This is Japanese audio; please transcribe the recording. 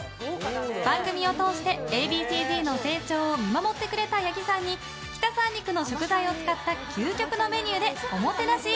番組を通してＡ．Ｂ．Ｃ‐Ｚの成長を見守ってくれた八木さんに北三陸の食材を使った究極のメニューでおもてなし！